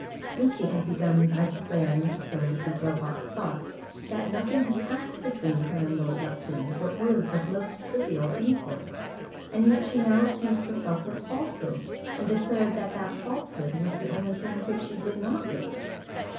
Lucy had begun by declaring so Mrs. Robarts thought that nothing had passed between her and Lord Lufton but words of most trivial import, and yet she now accused herself of falsehood, and declared that that falsehood was the only thing which she did not regret!